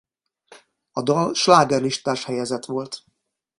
A dal slágerlistás helyezett volt.